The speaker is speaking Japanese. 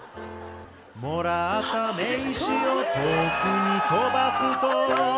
「もらった名刺を遠くに飛ばすと」